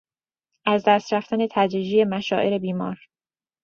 از دست رفتن تدریجی مشاعر بیمار